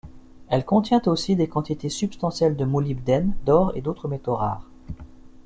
Elle contient aussi des quantités substantielles de molybdène, or et d'autre métaux rares.